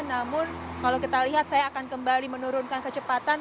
namun kalau kita lihat saya akan kembali menurunkan kecepatan